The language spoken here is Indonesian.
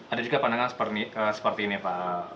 ada juga pandangan seperti ini pak